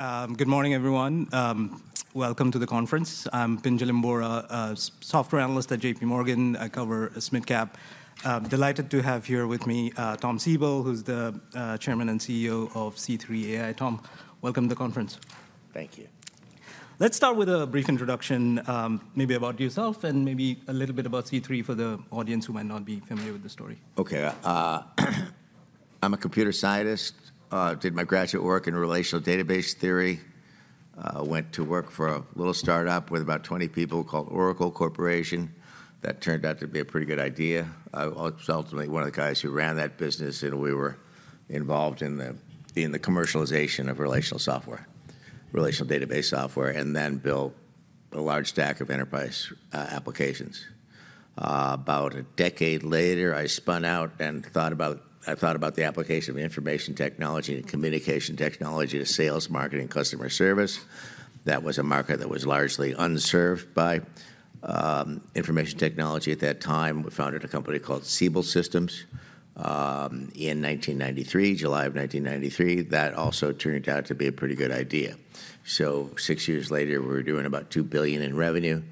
Good morning, everyone. Welcome to the conference. I'm Pinjalim Bora, a software analyst at J.P. Morgan. I cover mid-cap. I'm delighted to have here with me, Tom Siebel, who's the Chairman and CEO of C3 AI. Tom, welcome to the conference. Thank you. Let's start with a brief introduction, maybe about yourself and maybe a little bit about C3 for the audience who might not be familiar with the story. Okay, I'm a computer scientist. Did my graduate work in relational database theory. Went to work for a little start-up with about 20 people called Oracle Corporation. That turned out to be a pretty good idea. I was ultimately one of the guys who ran that business, and we were involved in the, in the commercialization of relational software, relational database software, and then built a large stack of enterprise applications. About a decade later, I spun out and thought about... I thought about the application of information technology and communication technology to sales, marketing, customer service. That was a market that was largely unserved by information technology at that time. We founded a company called Siebel Systems in 1993, July of 1993. That also turned out to be a pretty good idea. So six years later, we were doing about $2 billion in revenue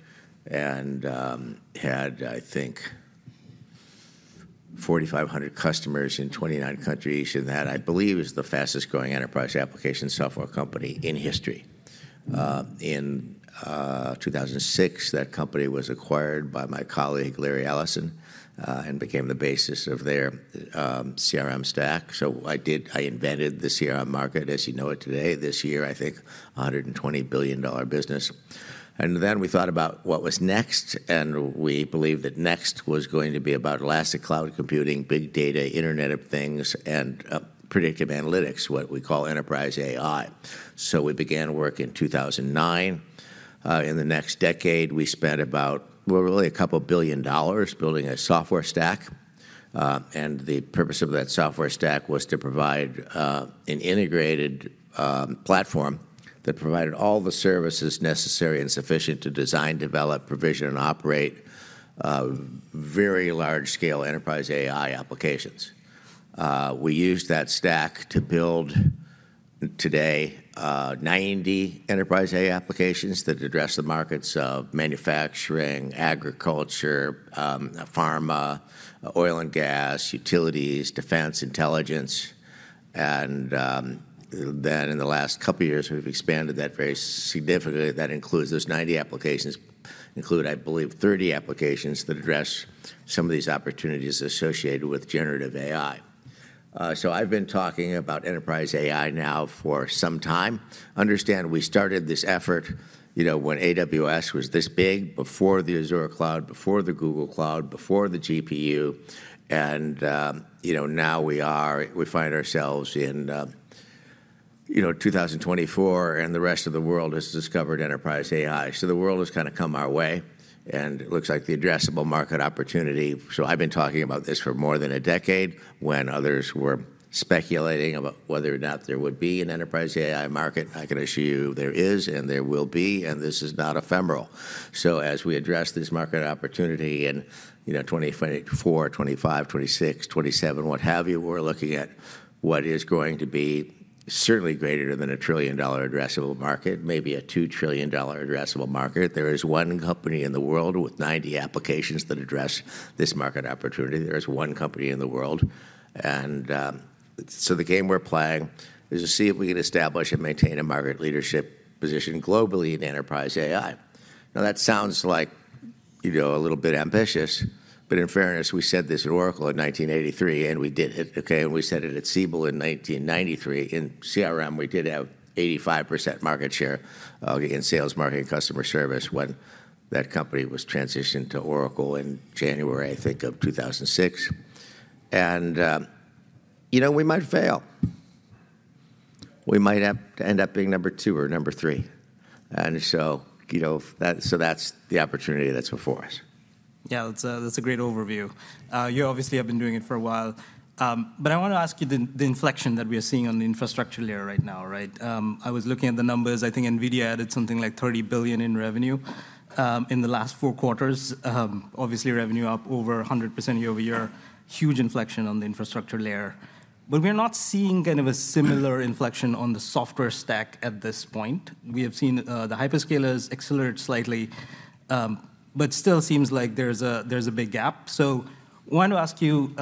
and had, I think, 4,500 customers in 29 countries, and that, I believe, is the fastest-growing enterprise application software company in history. Mm. In 2006, that company was acquired by my colleague, Larry Ellison, and became the basis of their CRM stack. So I invented the CRM market as you know it today. This year, I think, a $120 billion business. And then we thought about what was next, and we believed that next was going to be about elastic Cloud computing, big data, Internet of Things, and predictive analytics, what we call enterprise AI. So we began work in 2009. In the next decade, we spent about, well, really, $2 billion building a software stack. And the purpose of that software stack was to provide an integrated platform that provided all the services necessary and sufficient to design, develop, provision, and operate very large-scale enterprise AI applications. We used that stack to build, today, 90 enterprise AI applications that address the markets of manufacturing, agriculture, pharma, oil and gas, utilities, defense, intelligence, and then in the last couple of years, we've expanded that very significantly. Those 90 applications include, I believe, 30 applications that address some of these opportunities associated with generative AI. So I've been talking about enterprise AI now for some time. Understand, we started this effort, you know, when AWS was this big, before the Azure Cloud, before the Google Cloud, before the GPU, and, you know, now we find ourselves in, you know, 2024, and the rest of the world has discovered enterprise AI. So the world has kinda come our way, and it looks like the addressable market opportunity... So I've been talking about this for more than a decade, when others were speculating about whether or not there would be an enterprise AI market. I can assure you, there is, and there will be, and this is not ephemeral. So as we address this market opportunity in, you know, 2024, 2025, 2026, 2027, what have you, we're looking at what is going to be certainly greater than a $1 trillion addressable market, maybe a $2 trillion addressable market. There is one company in the world with 90 applications that address this market opportunity. There is one company in the world. And, so the game we're playing is to see if we can establish and maintain a market leadership position globally in enterprise AI. Now, that sounds like, you know, a little bit ambitious, but in fairness, we said this at Oracle in 1983, and we said it at Siebel in 1993. In CRM, we did have 85% market share in sales, marketing, and customer service when that company was transitioned to Oracle in January, I think, of 2006. And, you know, we might fail. We might have to end up being number two or number three. And so, you know, that, so that's the opportunity that's before us. Yeah, that's a great overview. You obviously have been doing it for a while. But I want to ask you the inflection that we are seeing on the infrastructure layer right now, right? I was looking at the numbers. I think NVIDIA added something like $30 billion in revenue in the last four quarters. Obviously, revenue up over 100% year-over-year. Huge inflection on the infrastructure layer. But we're not seeing kind of a similar inflection on the software stack at this point. We have seen the hyperscalers accelerate slightly, but still seems like there's a big gap. So I want to ask you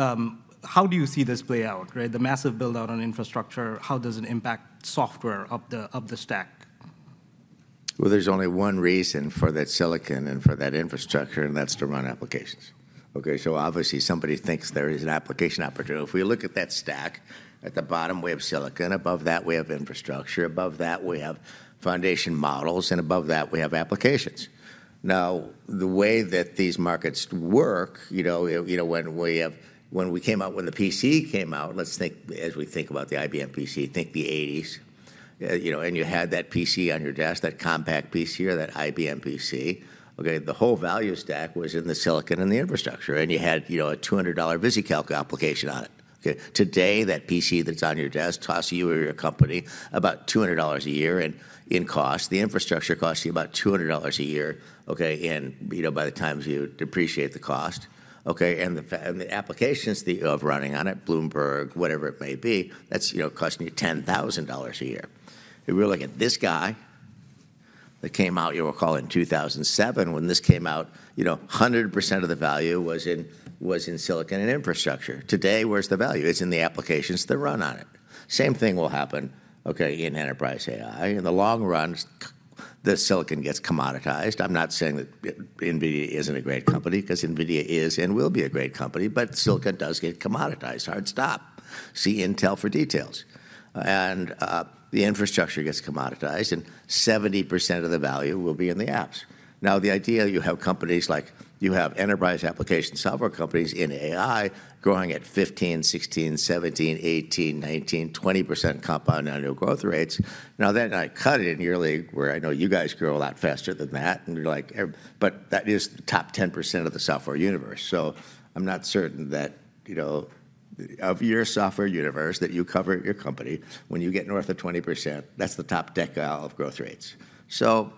how do you see this play out, right? The massive build-out on infrastructure, how does it impact software of the stack? Well, there's only one reason for that silicon and for that infrastructure, and that's to run applications. Okay, so obviously, somebody thinks there is an application opportunity. If we look at that stack, at the bottom, we have silicon. Above that, we have infrastructure. Above that, we have foundation models, and above that, we have applications. Now, the way that these markets work, you know, when we came out, when the PC came out, let's think, as we think about the IBM PC, think the 1980s. You know, and you had that PC on your desk, that Compaq PC or that IBM PC. Okay, the whole value stack was in the silicon and the infrastructure, and you had, you know, a $200 VisiCalc application on it, okay? Today, that PC that's on your desk costs you or your company about $200 a year in cost. The infrastructure costs you about $200 a year, okay, and, you know, by the time you depreciate the cost. Okay, and the applications that you have running on it, Bloomberg, whatever it may be, that's, you know, costing you $10,000 a year. If we're looking at this guy that came out, you'll recall, in 2007. When this came out, you know, 100% of the value was in silicon and infrastructure. Today, where's the value? It's in the applications that run on it. Same thing will happen, okay, in enterprise AI. In the long run, the silicon gets commoditized. I'm not saying that NVIDIA isn't a great company, 'cause NVIDIA is and will be a great company, but silicon does get commoditized. Hard stop. See Intel for details. And, the infrastructure gets commoditized, and 70% of the value will be in the apps. Now, the idea you have companies like, you have enterprise application software companies in AI growing at 15%-20% compound annual growth rates. Now, then I cut it nearly where I know you guys grow a lot faster than that, and you're like but that is the top 10% of the software universe. So I'm not certain that, you know, of your software universe that you cover at your company, when you get north of 20%, that's the top decile of growth rates. So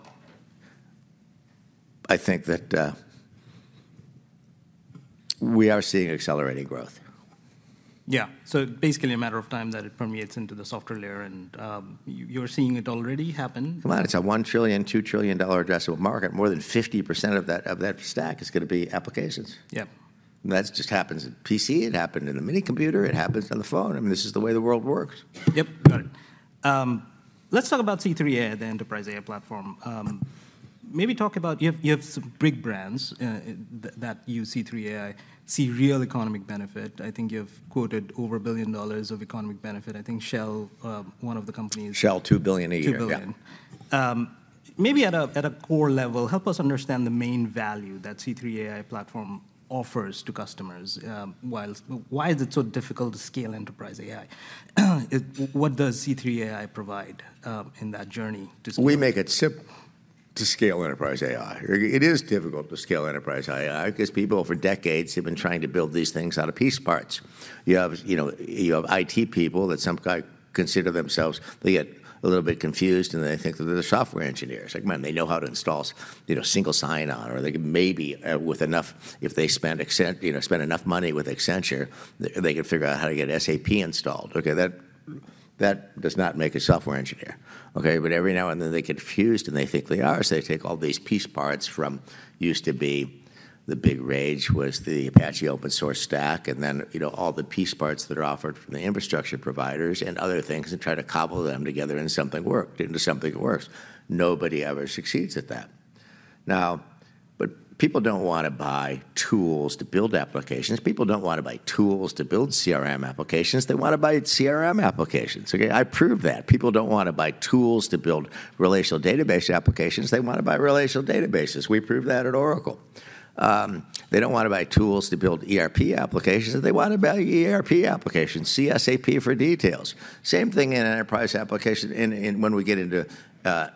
I think that, we are seeing accelerating growth. Yeah. So basically a matter of time that it permeates into the software layer, and, you're seeing it already happen. Come on, it's a $1 trillion, $2 trillion addressable market. More than 50% of that, of that stack is going to be applications. Yep. That just happens in PC, it happened in a minicomputer, it happens on the phone. I mean, this is the way the world works. Yep, got it. Let's talk about C3 AI, the enterprise AI platform. Maybe talk about... You have, you have some big brands that use C3 AI, see real economic benefit. I think you've quoted over $1 billion of economic benefit. I think Shell, one of the companies- Shell, $2 billion a year. Two billion. Yeah. Maybe at a core level, help us understand the main value that C3 AI platform offers to customers. Why is it so difficult to scale enterprise AI? What does C3 AI provide in that journey to scale? We make it simple to scale enterprise AI. It is difficult to scale enterprise AI because people, for decades, have been trying to build these things out of piece parts. You have, you know, you have IT people that some guys consider themselves. They get a little bit confused, and they think that they're software engineers. Like, man, they know how to install, you know, single sign-on, or they could maybe, with enough—if they spend Accenture—you know, spend enough money with Accenture, they can figure out how to get SAP installed. Okay, that, that does not make a software engineer, okay? But every now and then, they get confused, and they think they are. So they take all these piece parts from used to be the big rage was the Apache open-source stack, and then, you know, all the piece parts that are offered from the infrastructure providers and other things, and try to cobble them together into something that works. Nobody ever succeeds at that. Now but people don't want to buy tools to build applications. People don't want to buy tools to build CRM applications. They want to buy CRM applications. Okay, I proved that. People don't want to buy tools to build relational database applications. They want to buy relational databases. We proved that at Oracle. They don't want to buy tools to build ERP applications. They want to buy ERP applications. See SAP for details. Same thing in enterprise applications when we get into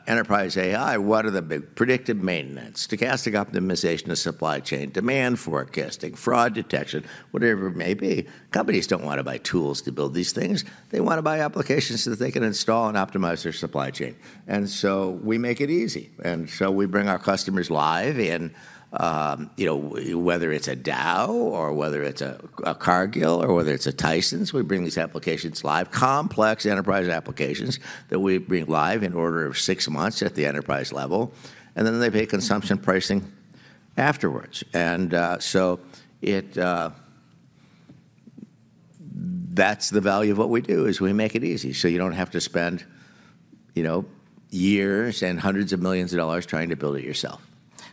enterprise AI, what are the big... Predictive maintenance, stochastic optimization of supply chain, demand forecasting, fraud detection, whatever it may be. Companies don't want to buy tools to build these things. They want to buy applications that they can install and optimize their supply chain. So we make it easy. So we bring our customers live in, you know, whether it's a Dow or whether it's a Cargill or whether it's a Tyson, we bring these applications live. Complex enterprise applications that we bring live in order of six months at the enterprise level, and then they pay consumption pricing afterwards. So it... That's the value of what we do, is we make it easy, so you don't have to spend, you know, years and hundreds of millions of dollars trying to build it yourself.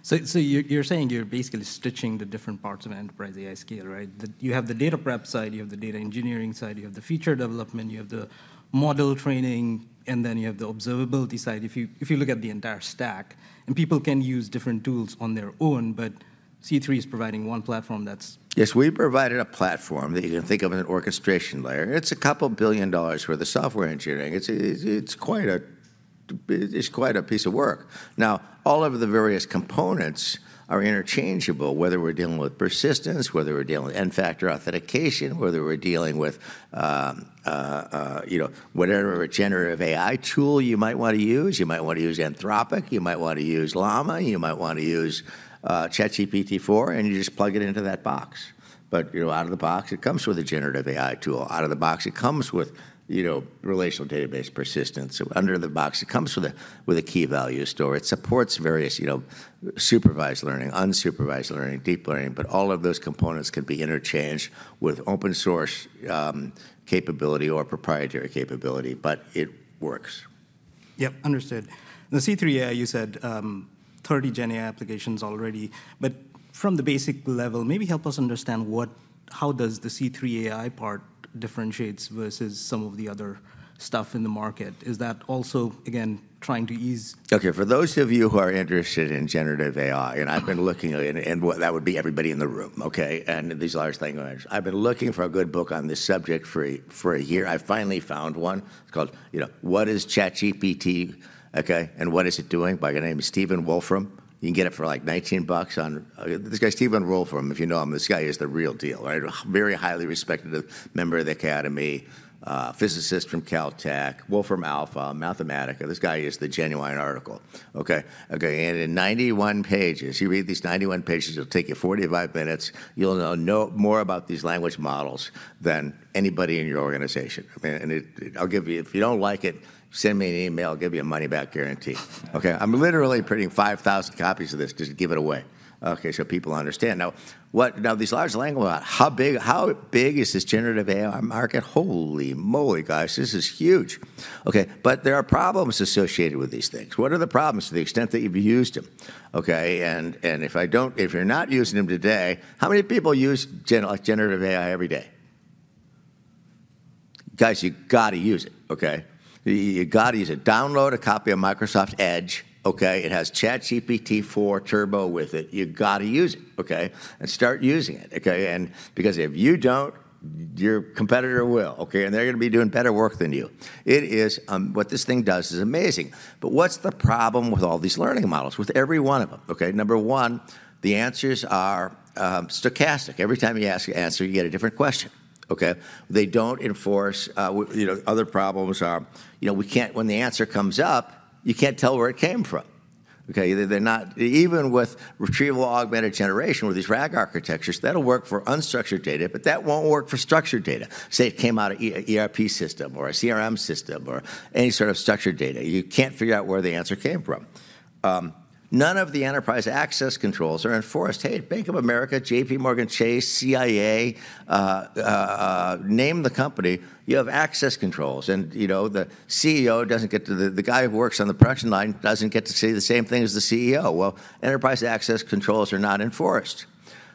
So, you're saying you're basically stitching the different parts of enterprise AI scale, right? That you have the data prep side, you have the data engineering side, you have the feature development, you have the model training, and then you have the observability side. If you look at the entire stack, and people can use different tools on their own, but C3 is providing one platform that's- Yes, we provided a platform that you can think of as an orchestration layer. It's $2 billion worth of software engineering. It's quite a piece of work. Now, all of the various components are interchangeable, whether we're dealing with persistence, whether we're dealing with nFactor authentication, whether we're dealing with, you know, whatever generative AI tool you might want to use. You might want to use Anthropic, you might want to use Llama, you might want to use ChatGPT-4, and you just plug it into that box. But, you know, out of the box, it comes with a generative AI tool. Out of the box, it comes with, you know, relational database persistence. Under the box, it comes with a key value store. It supports various, you know, supervised learning, unsupervised learning, deep learning, but all of those components can be interchanged with open-source capability or proprietary capability, but it works. Yep, understood. The C3 AI, you said, 30 gen AI applications already. But from the basic level, maybe help us understand how does the C3 AI part differentiates versus some of the other stuff in the market. Is that also, again, trying to ease- Okay, for those of you who are interested in generative AI, and I've been looking, and that would be everybody in the room, okay? And these large language... I've been looking for a good book on this subject for a year. I finally found one. It's called, you know, What is ChatGPT, okay, and What Is It Doing? by a guy named Stephen Wolfram. You can get it for, like, $19 on... This guy, Stephen Wolfram, if you know him, this guy is the real deal, right? Very highly respected member of the academy, physicist from Caltech, WolframAlpha, Mathematica. This guy is the genuine article, okay? Okay, and in 91 pages, you read these 91 pages, it'll take you 45 minutes, you'll know no more about these language models than anybody in your organization. Okay, and it... I'll give you. If you don't like it, send me an email. I'll give you a money-back guarantee. Okay, I'm literally printing 5,000 copies of this just to give it away, okay, so people understand. Now, these large language model, how big, how big is this generative AI market? Holy moly, guys, this is huge! Okay, but there are problems associated with these things. What are the problems to the extent that you've used them? Okay, and if you're not using them today, how many people use generative AI every day?... Guys, you gotta use it, okay? You gotta use it. Download a copy of Microsoft Edge, okay? It has ChatGPT-4 Turbo with it. You gotta use it, okay? And start using it, okay? And because if you don't, your competitor will, okay? They're gonna be doing better work than you. It is, what this thing does is amazing. But what's the problem with all these learning models, with every one of them, okay? Number one, the answers are stochastic. Every time you ask an answer, you get a different question, okay? They don't enforce, you know, other problems are, you know, we can't. When the answer comes up, you can't tell where it came from, okay? They're not. Even with retrieval-augmented generation, with these RAG architectures, that'll work for unstructured data, but that won't work for structured data. Say, it came out of ERP system or a CRM system or any sort of structured data. You can't figure out where the answer came from. None of the enterprise access controls are enforced. Hey, Bank of America, JPMorgan Chase, CIA, name the company, you have access controls, and, you know, the CEO doesn't get to the guy who works on the production line doesn't get to say the same thing as the CEO. Well, enterprise access controls are not enforced.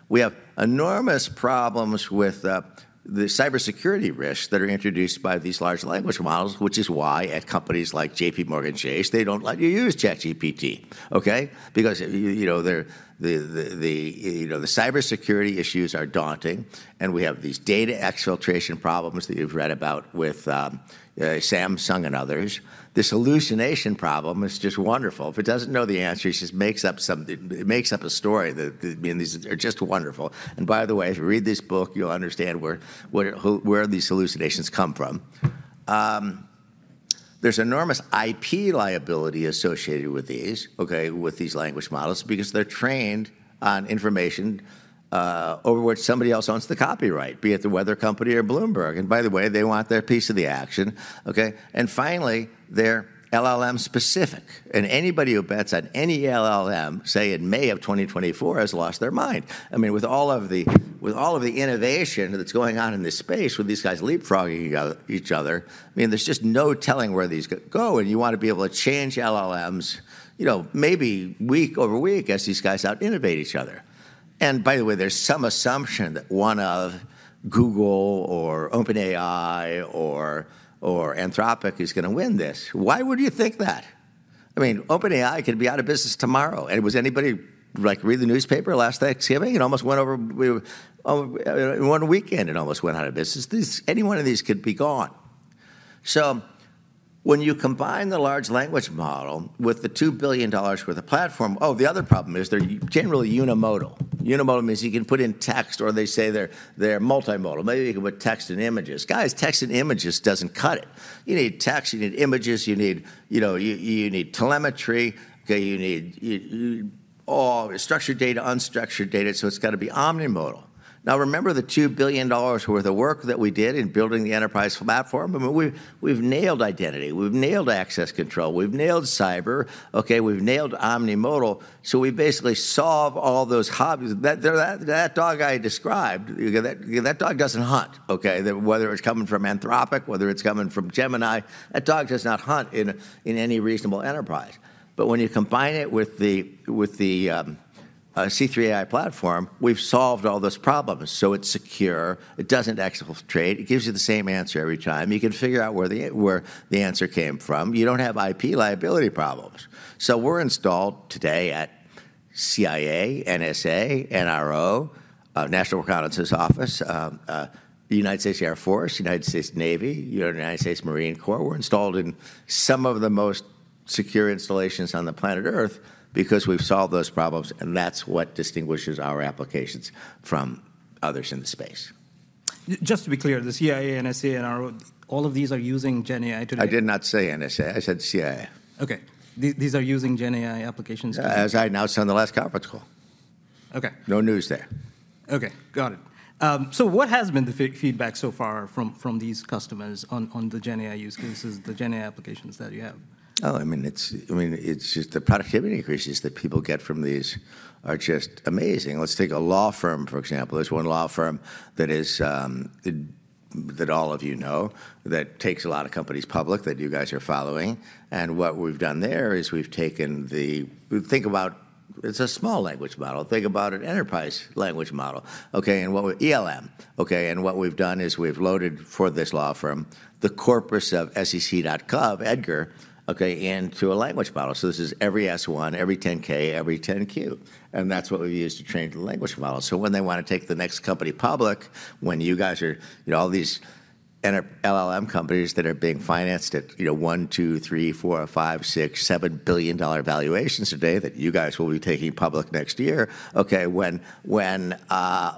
We have enormous problems with the cybersecurity risks that are introduced by these large language models, which is why at companies like JPMorgan Chase, they don't let you use ChatGPT, okay? Because you know, the cybersecurity issues are daunting, and we have these data exfiltration problems that you've read about with Samsung and others. This hallucination problem is just wonderful. If it doesn't know the answer, it just makes up something, it makes up a story that, I mean, these are just wonderful. By the way, if you read this book, you'll understand where these hallucinations come from. There's enormous IP liability associated with these, okay, with these language models, because they're trained on information over which somebody else owns the copyright, be it the Weather Company or Bloomberg. And by the way, they want their piece of the action, okay? Finally, they're LLM-specific, and anybody who bets on any LLM, say, in May of 2024, has lost their mind. I mean, with all of the innovation that's going on in this space, with these guys leapfrogging each other, I mean, there's just no telling where these go, and you want to be able to change LLMs, you know, maybe week over week as these guys out-innovate each other. And by the way, there's some assumption that one of Google or OpenAI or, or Anthropic is gonna win this. Why would you think that? I mean, OpenAI could be out of business tomorrow. And was anybody, like, read the newspaper last Thanksgiving? It almost went over, in one weekend, it almost went out of business. These, any one of these could be gone. So when you combine the large language model with the $2 billion worth of platform. Oh, the other problem is they're generally unimodal. Unimodal means you can put in text, or they say they're, they're multimodal. Maybe you can put text and images. Guys, text and images doesn't cut it. You need text, you need images, you need, you know, you, you need telemetry, okay? You need all structured data, unstructured data, so it's gotta be omnimodal. Now, remember the $2 billion worth of work that we did in building the enterprise platform? I mean, we've nailed identity, we've nailed access control, we've nailed cyber. Okay, we've nailed omnimodal, so we basically solve all those hurdles. That dog I described doesn't hunt, okay? Whether it's coming from Anthropic, whether it's coming from Gemini, that dog does not hunt in any reasonable enterprise. But when you combine it with the C3 AI platform, we've solved all those problems. So it's secure, it doesn't exfiltrate, it gives you the same answer every time. You can figure out where the answer came from. You don't have IP liability problems. So we're installed today at CIA, NSA, NRO, National Reconnaissance Office, the United States Air Force, United States Navy, United States Marine Corps. We're installed in some of the most secure installations on the planet Earth because we've solved those problems, and that's what distinguishes our applications from others in the space. Just to be clear, the CIA, NSA, NRO, all of these are using GenAI to do- I did not say NSA. I said CIA. Okay. These are using GenAI applications to- As I announced on the last conference call. Okay. No news there. Okay, got it. So what has been the feedback so far from these customers on the GenAI use cases, the GenAI applications that you have? Oh, I mean, it's, I mean, it's just the productivity increases that people get from these are just amazing. Let's take a law firm, for example. There's one law firm that is that all of you know, that takes a lot of companies public, that you guys are following. And what we've done there is we've taken the... Think about, it's a small language model. Think about an enterprise language model, okay, and what we're... ELM, okay? And what we've done is we've loaded, for this law firm, the corpus of SEC.gov, EDGAR, okay, into a language model. So this is every S-1, every 10-K, every 10-Q, and that's what we've used to train the language model. So when they want to take the next company public, when you guys are, you know, all these enterprise LLM companies that are being financed at, you know, $1, $2, $3, $4, $5, $6, $7 billion valuations today, that you guys will be taking public next year, okay, when, when,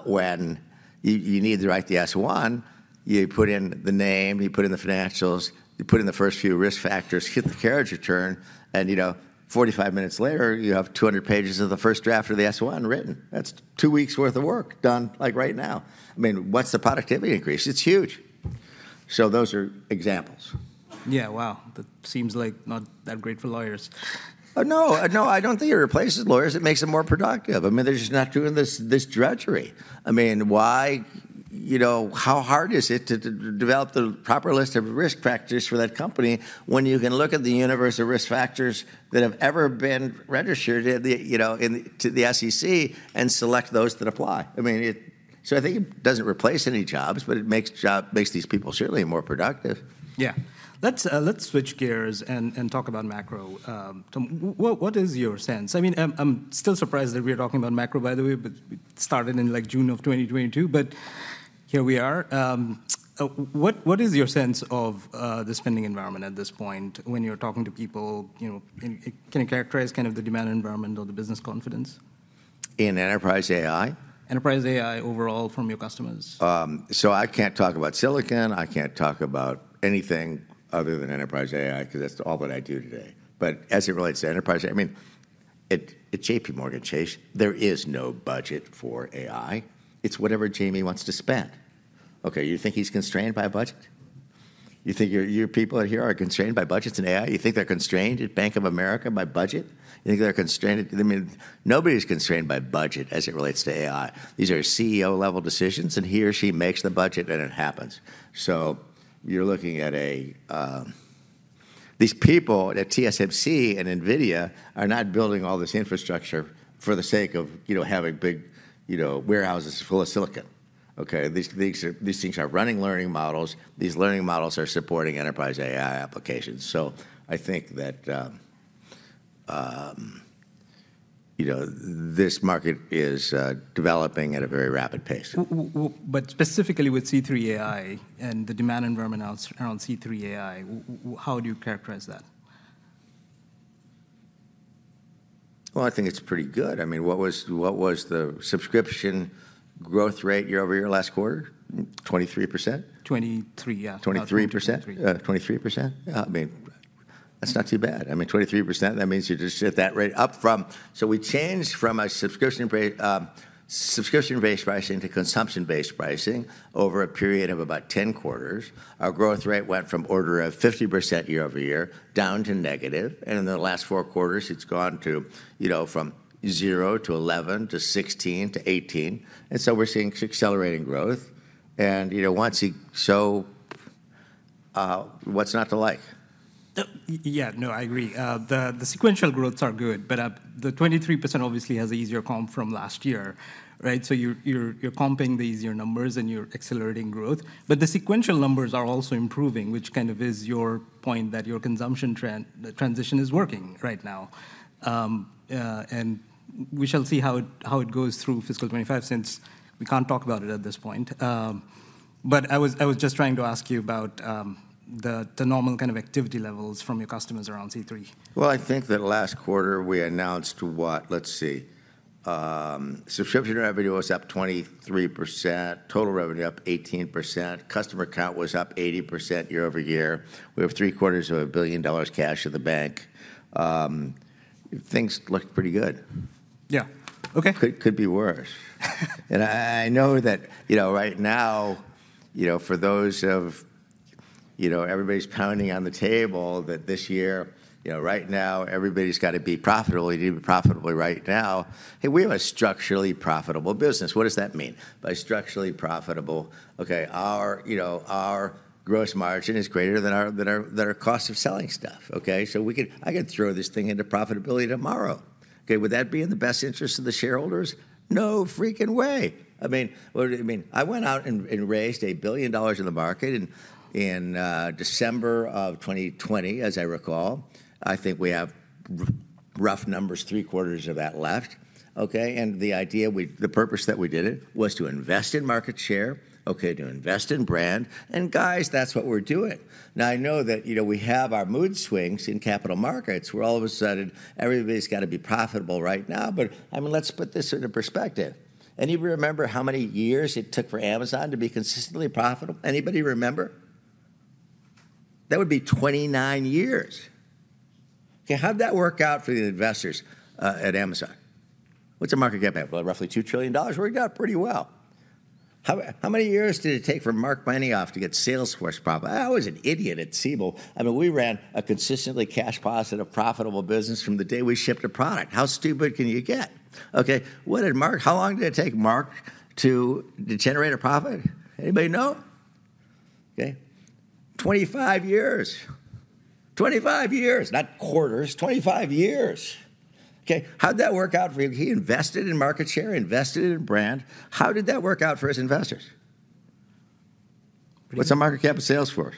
when you, you need to write the S-1, you put in the name, you put in the financials, you put in the first few risk factors, hit the carriage return, and, you know, 45 minutes later, you have 200 pages of the first draft of the S-1 written. That's two weeks' worth of work done, like, right now. I mean, what's the productivity increase? It's huge. So those are examples. Yeah, wow, that seems, like, not that great for lawyers. No, no, I don't think it replaces lawyers. It makes them more productive. I mean, they're just not doing this drudgery. I mean, why... you know, how hard is it to develop the proper list of risk practices for that company when you can look at the universe of risk factors that have ever been registered at the, you know, to the SEC and select those that apply? I mean, it... So I think it doesn't replace any jobs, but it makes these people certainly more productive. Yeah. Let's switch gears and talk about macro. What is your sense? I mean, I'm still surprised that we're talking about macro, by the way, but it started in like June of 2022, but here we are. What is your sense of the spending environment at this point when you're talking to people, you know, can you characterize kind of the demand environment or the business confidence? In Enterprise AI? Enterprise AI overall from your customers. So I can't talk about Silicon, I can't talk about anything other than enterprise AI, 'cause that's all that I do today. But as it relates to enterprise, I mean, at JPMorgan Chase, there is no budget for AI. It's whatever Jamie wants to spend. Okay, you think he's constrained by a budget? You think your people out here are constrained by budgets in AI? You think they're constrained at Bank of America by budget? You think they're constrained- I mean, nobody's constrained by budget as it relates to AI. These are CEO-level decisions, and he or she makes the budget, and it happens. So you're looking at a... These people at TSMC and NVIDIA are not building all this infrastructure for the sake of, you know, having big, you know, warehouses full of silicon. Okay? These are- these things are running learning models. These learning models are supporting enterprise AI applications. So I think that, you know, this market is developing at a very rapid pace. Well, but specifically with C3 AI and the demand environment around, around C3 AI, how do you characterize that? Well, I think it's pretty good. I mean, what was the subscription growth rate year-over-year last quarter? 23%? Twenty-three, yeah. Twenty-three percent? Twenty-three. 23%? I mean, that's not too bad. I mean, 23%, that means you're just at that rate, up from... So we changed from a subscription-based, subscription-based pricing to consumption-based pricing over a period of about 10 quarters. Our growth rate went from order of 50% year-over-year, down to negative, and in the last four quarters, it's gone to, you know, from zero to 11 to 16 to 18, and so we're seeing accelerating growth, and, you know, once you- so, what's not to like? Yeah, no, I agree. The sequential growths are good, but the 23% obviously has an easier comp from last year, right? So you're comping the easier numbers, and you're accelerating growth. But the sequential numbers are also improving, which kind of is your point, that your consumption trend, the transition is working right now. And we shall see how it goes through fiscal 2025, since we can't talk about it at this point. But I was just trying to ask you about the normal kind of activity levels from your customers around C3. Well, I think that last quarter we announced what? Let's see. Subscription revenue was up 23%, total revenue up 18%, customer count was up 80% year-over-year. We have $750 million cash in the bank. Things looked pretty good. Yeah. Okay. Could be worse. I know that, you know, right now, you know, for those of... You know, everybody's pounding on the table that this year, you know, right now, everybody's got to be profitable. You need to be profitable right now. Hey, we have a structurally profitable business. What does that mean by structurally profitable? Okay, our gross margin is greater than our cost of selling stuff, okay? So I could throw this thing into profitability tomorrow. Okay, would that be in the best interest of the shareholders? No freaking way! I mean, what do you mean? I went out and raised $1 billion in the market in December of 2020, as I recall. I think we have rough numbers, three-quarters of that left, okay? And the idea, the purpose that we did it was to invest in market share, okay, to invest in brand, and guys, that's what we're doing. Now, I know that, you know, we have our mood swings in capital markets, where all of a sudden, everybody's got to be profitable right now. But I mean, let's put this into perspective. Anybody remember how many years it took for Amazon to be consistently profitable? Anybody remember? That would be 29 years. Okay, how'd that work out for the investors at Amazon? What's the market cap at? Well, roughly $2 trillion. Worked out pretty well. How many years did it take for Marc Benioff to get Salesforce profitable? I was an idiot at Siebel. I mean, we ran a consistently cash positive, profitable business from the day we shipped a product. How stupid can you get? Okay, what did Marc, how long did it take Marc to generate a profit? Anybody know? Okay, 25 years. 25 years. Not quarters, 25 years. Okay, how'd that work out for him? He invested in market share, invested in brand. How did that work out for his investors? Pretty- What's the market cap of Salesforce?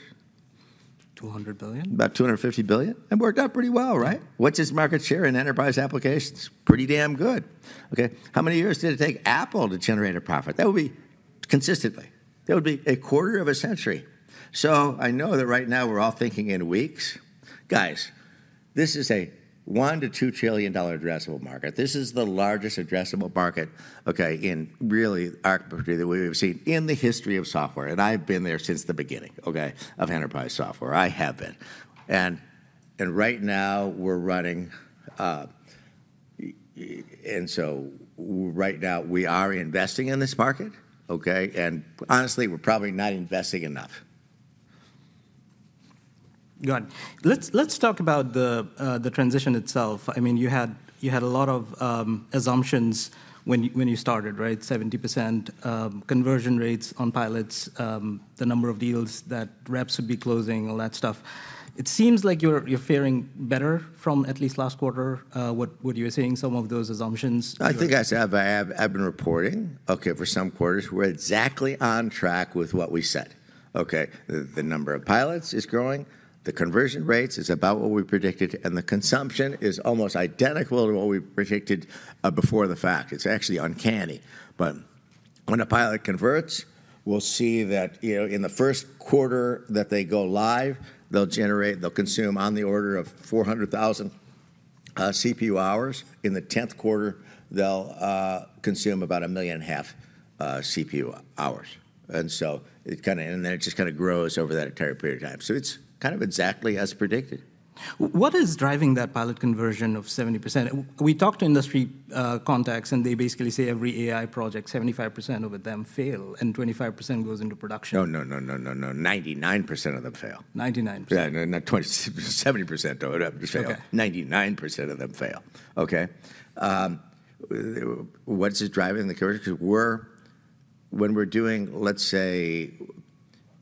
$200 billion. About $250 billion. It worked out pretty well, right? What's his market share in enterprise applications? Pretty damn good. Okay, how many years did it take Apple to generate a profit? That would be consistently. That would be a quarter of a century. So I know that right now, we're all thinking in weeks. Guys, this is a $1-$2 trillion addressable market. This is the largest addressable market, okay, in really, arguably, that we've seen in the history of software, and I've been there since the beginning, okay, of enterprise software. I have been. And right now, we are investing in this market, okay? And honestly, we're probably not investing enough. Got it. Let's, let's talk about the transition itself. I mean, you had a lot of assumptions when you started, right? 70% conversion rates on pilots, the number of deals that reps would be closing, all that stuff. It seems like you're faring better from at least last quarter, what you were saying, some of those assumptions- I think I said, I have, I've been reporting, okay, for some quarters. We're exactly on track with what we said. Okay, the number of pilots is growing, the conversion rates is about what we predicted, and the consumption is almost identical to what we predicted before the fact. It's actually uncanny. But when a pilot converts, we'll see that, you know, in the first quarter that they go live, they'll generate - they'll consume on the order of 400,000 CPU hours. In the tenth quarter, they'll consume about 1.5 million CPU hours. And so it kinda. And then it just kinda grows over that entire period of time. So it's kind of exactly as predicted. What is driving that pilot conversion of 70%? We talked to industry contacts, and they basically say every AI project, 75% of them fail, and 25% goes into production. No, no, no, no, no, no. 99% of them fail. 99%? Yeah, no, not 20-something, 70% of them fail. Okay. 99% of them fail, okay? What is driving the conversion? When we're doing, let's say,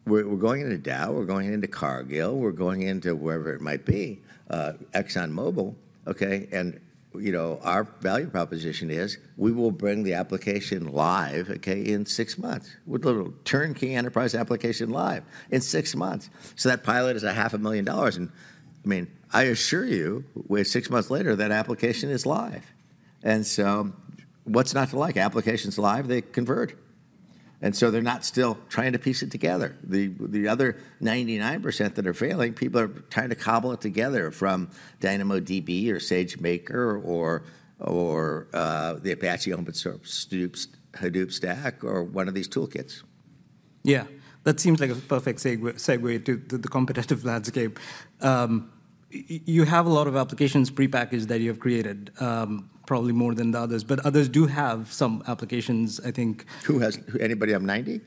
going into Dow, we're going into Cargill, we're going into wherever it might be, ExxonMobil, okay? And, you know, our value proposition is, we will bring the application live, okay, in six months. With the little turnkey enterprise application live in six months. So that pilot is $500,000, and, I mean, I assure you, we're six months later, that application is live. And so what's not to like? Application's live, they convert. And so they're not still trying to piece it together. The other 99% that are failing, people are trying to cobble it together from DynamoDB or SageMaker or the Apache open source stupid Hadoop stack or one of these toolkits. Yeah, that seems like a perfect segue to the competitive landscape. You have a lot of applications prepackaged that you have created, probably more than the others, but others do have some applications, I think- Who has... Anybody have 90?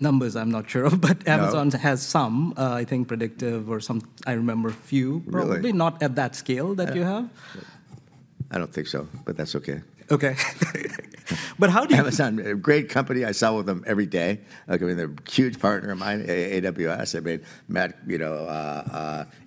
Numbers, I'm not sure of, but- No... Amazon has some, I think predictive or some, I remember a few- Really?... probably not at that scale that you have. I don't think so, but that's okay. Okay. But how do you- Amazon, a great company. I sell with them every day. Okay, they're a huge partner of mine, AWS. I mean, Matt, you know,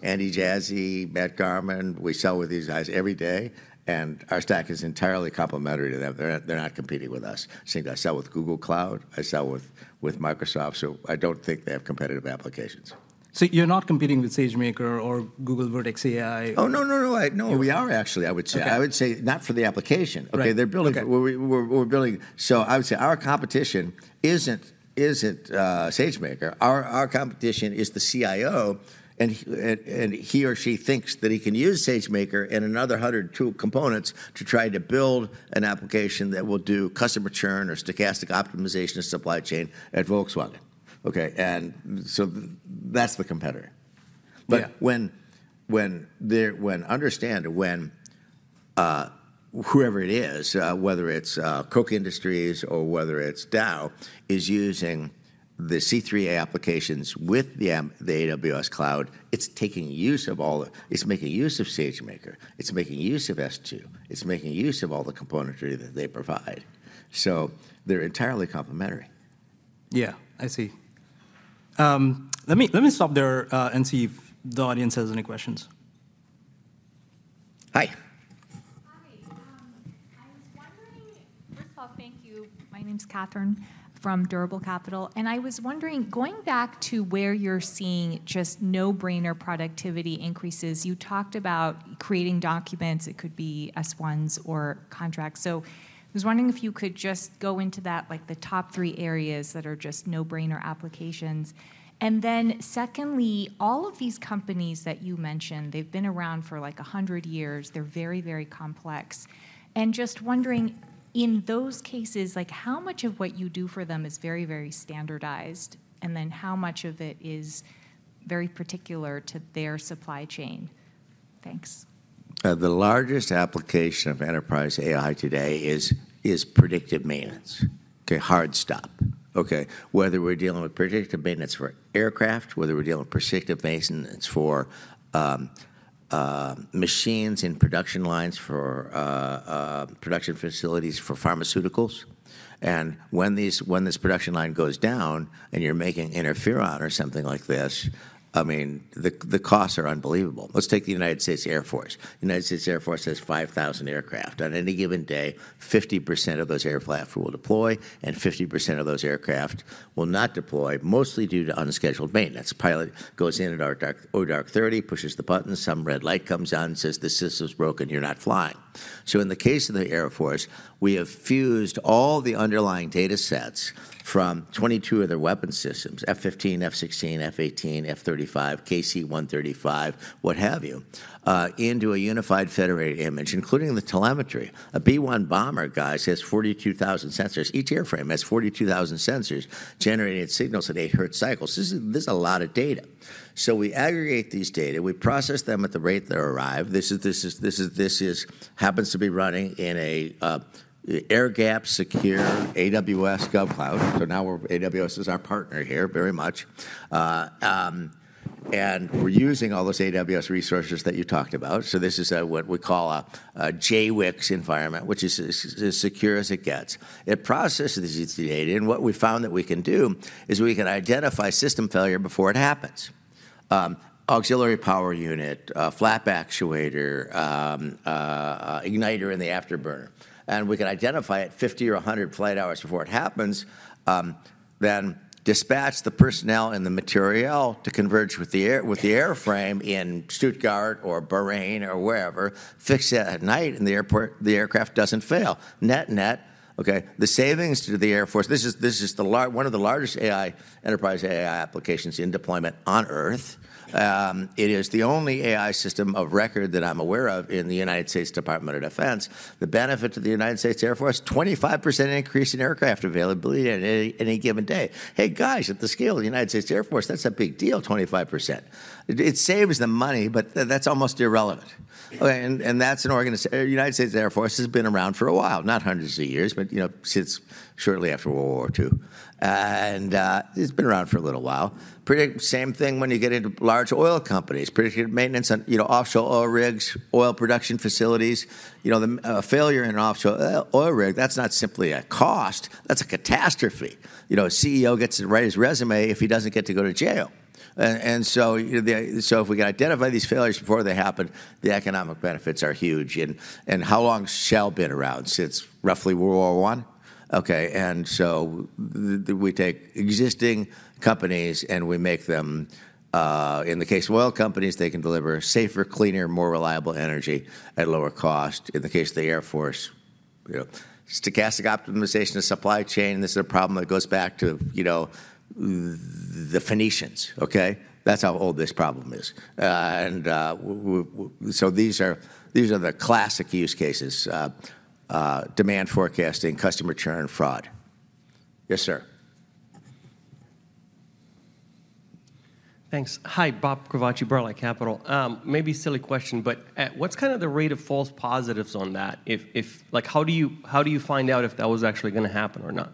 Andy Jassy, Matt Garman, we sell with these guys every day, and our stack is entirely complementary to them. They're not, they're not competing with us. Same, I sell with Google Cloud, I sell with, with Microsoft, so I don't think they have competitive applications. So you're not competing with SageMaker or Google Vertex AI or- Oh, no, no, no. No, we are actually. I would say. Okay. I would say not for the application. Right. Okay, they're building- Okay... we're building... So I would say our competition isn't SageMaker. Our competition is the CIO, and he or she thinks that he can use SageMaker and another hundred tool components to try to build an application that will do customer churn or stochastic optimization of supply chain at Volkswagen, okay? And so that's the competitor. Yeah. But when... Understand, when whoever it is, whether it's Koch Industries or whether it's Dow, is using the C3 AI applications with the AWS Cloud, it's making use of SageMaker, it's making use of S2, it's making use of all the componentry that they provide. So they're entirely complementary. Yeah, I see. Let me stop there and see if the audience has any questions. Hi. Hi, I was wondering... First of all, thank you. My name's Kathryn from Durable Capital, and I was wondering, going back to where you're seeing just no-brainer productivity increases, you talked about creating documents, it could be S-1s or contracts. So I was wondering if you could just go into that, like the top three areas that are just no-brainer applications. And then secondly, all of these companies that you mentioned, they've been around for like 100 years. They're very, very complex. And just wondering, in those cases, like, how much of what you do for them is very, very standardized, and then how much of it is very particular to their supply chain? Thanks. The largest application of enterprise AI today is predictive maintenance. Okay, hard stop. Okay, whether we're dealing with predictive maintenance for aircraft, whether we're dealing with predictive maintenance for machines in production lines, for production facilities for pharmaceuticals, and when this production line goes down and you're making interferon or something like this, I mean, the costs are unbelievable. Let's take the United States Air Force. United States Air Force has 5,000 aircraft. On any given day, 50% of those aircraft will deploy, and 50% of those aircraft will not deploy, mostly due to unscheduled maintenance. Pilot goes in at dark, oh, dark thirty, pushes the button, some red light comes on and says, "The system's broken, you're not flying." So in the case of the Air Force, we have fused all the underlying data sets from 22 of their weapon systems, F-15, F-16, F-18, F-35, KC-135, what have you, into a unified federated image, including the telemetry. A B-1 bomber, guys, has 42,000 sensors. Each airframe has 42,000 sensors generating signals at 8 hertz cycles. This is a lot of data. So we aggregate these data, we process them at the rate they arrive. This happens to be running in a air-gapped, secure AWS GovCloud. So now we're, AWS is our partner here, very much. And we're using all those AWS resources that you talked about. So this is what we call a JWICS environment, which is as secure as it gets. It processes the data, and what we found that we can do is we can identify system failure before it happens. Auxiliary power unit, a flap actuator, igniter in the afterburner. And we can identify it 50 or 100 flight hours before it happens, then dispatch the personnel and the materiel to converge with the air, with the airframe in Stuttgart or Bahrain or wherever, fix it at night, and the aircraft doesn't fail. Net, net, okay, the savings to the Air Force, this is one of the largest enterprise AI applications in deployment on Earth. It is the only AI system of record that I'm aware of in the United States Department of Defense. The benefit to the United States Air Force, 25% increase in aircraft availability at any given day. Hey, guys, at the scale of the United States Air Force, that's a big deal, 25%. It saves them money, but that's almost irrelevant. Okay, and that's an organization. United States Air Force has been around for a while, not hundreds of years, but you know, since shortly after World War II. It's been around for a little while. Same thing when you get into large oil companies, predictive maintenance on you know, offshore oil rigs, oil production facilities. You know, the failure in an offshore oil rig, that's not simply a cost, that's a catastrophe. You know, a CEO gets to write his resume if he doesn't get to go to jail. So, you know, if we can identify these failures before they happen, the economic benefits are huge. And how long's Shell been around? Since roughly World War I. Okay, and so we take existing companies, and we make them, in the case of oil companies, they can deliver safer, cleaner, more reliable energy at lower cost. In the case of the Air Force, you know, stochastic optimization of supply chain, this is a problem that goes back to, you know, the Phoenicians, okay? That's how old this problem is. So these are the classic use cases, demand forecasting, customer churn, and fraud. Yes, sir. Thanks. Hi, Bob Kovaci, Barclays. Maybe a silly question, but what's kind of the rate of false positives on that? Like, how do you, how do you find out if that was actually gonna happen or not?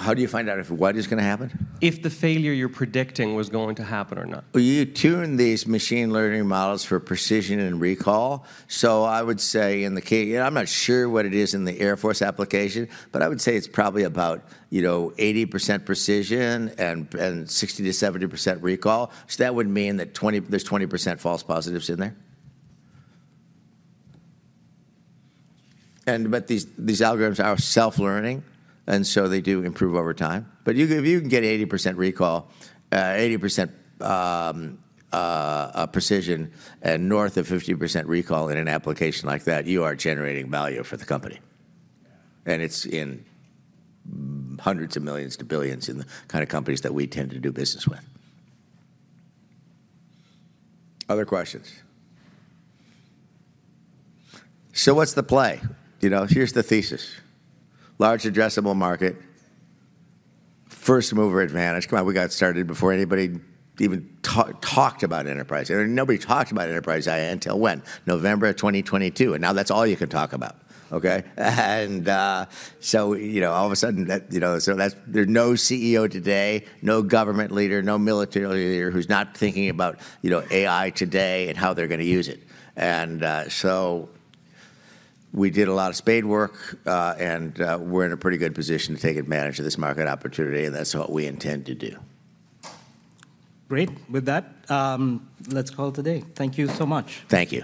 How do you find out if what is gonna happen? If the failure you're predicting was going to happen or not? Well, you tune these machine learning models for precision and recall. So I would say in the, you know, I'm not sure what it is in the Air Force application, but I would say it's probably about, you know, 80% precision and sixty to seventy percent recall. So that would mean that twenty-- there's 20% false positives in there. And but these, these algorithms are self-learning, and so they do improve over time. But you can, if you can get 80% recall, eighty percent, precision and north of 50% recall in an application like that, you are generating value for the company. Yeah. And it's in $100 million-$1 billion in the kind of companies that we tend to do business with. Other questions? So what's the play? You know, here's the thesis: large addressable market, first-mover advantage. Come on, we got started before anybody even talked about enterprise. Nobody talked about enterprise AI until when? November of 2022, and now that's all you can talk about, okay? And, so, you know, all of a sudden, that, you know, so that's. There's no CEO today, no government leader, no military leader who's not thinking about, you know, AI today and how they're gonna use it. And, so we did a lot of spade work, and, we're in a pretty good position to take advantage of this market opportunity, and that's what we intend to do. Great. With that, let's call it a day. Thank you so much. Thank you.